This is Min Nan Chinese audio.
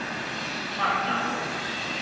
掣流